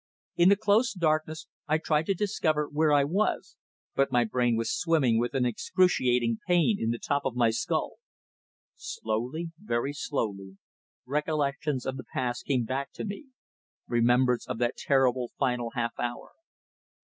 In the close darkness I tried to discover where I was, but my brain was swimming with an excruciating pain in the top of my skull. Slowly, very slowly, recollections of the past came back to me remembrance of that terrible, final half hour.